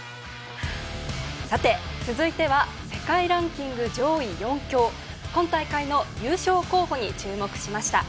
続いては世界ランキング上位４強今大会の優勝候補に注目しました。